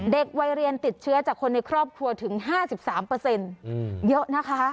เด็กวัยเรียนติดเชื้อจากคนในครอบครัวถึง๕๓เยอะนะคะ